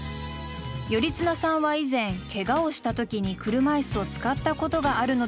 頼綱さんは以前けがをした時に車いすを使ったことがあるのだとか。